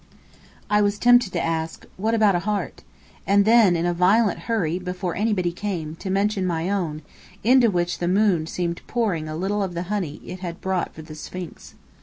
I was tempted to ask "What about a heart?" And then in a violent hurry, before anybody came to mention my own, into which the moon seemed pouring a little of the honey it had brought for the Sphinx.